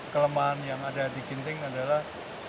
kelemahan yang ada di ginting adalah